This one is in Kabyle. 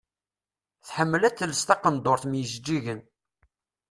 Tḥemmel ad tels taqendurt mm yijeǧǧigen.